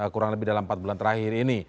kurang lebih dalam empat bulan terakhir ini